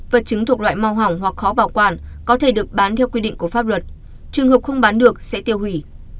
vật chứng thuộc loại mau hỏng hoặc khó bảo quản có thể được bán theo quy định của pháp luật trường hợp không bán được sẽ tiêu hủy